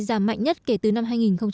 giảm mạnh nhất kể từ năm hai nghìn một mươi